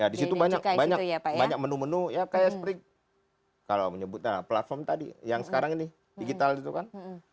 ya di situ banyak menu menu ya kayak seperti kalau menyebutkan platform tadi yang sekarang ini digital itu kan